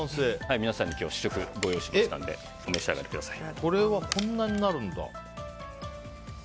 皆さんに試食ご用意しましたのでお召し上がりください。